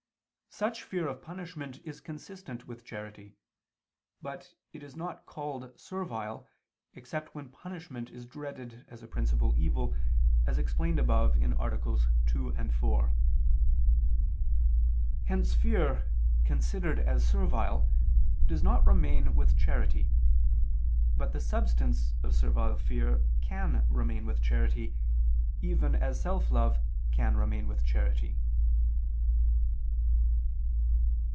Such fear of punishment is consistent with charity; but it is not called servile, except when punishment is dreaded as a principal evil, as explained above (AA. 2, 4). Hence fear considered as servile, does not remain with charity, but the substance of servile fear can remain with charity, even as self love can remain with charity.